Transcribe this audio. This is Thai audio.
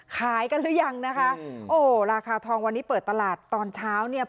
ขายกันหรือยังนะคะโอ้ราคาทองวันนี้เปิดตลาดตอนเช้าเนี่ย